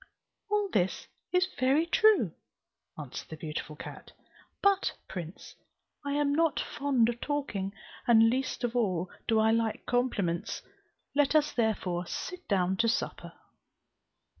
"All this is very true," answered the beautiful cat, "but, prince, I am not fond of talking, and least of all do I like compliments; let us therefore sit down to supper."